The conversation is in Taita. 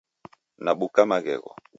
Nabuka Maghegho.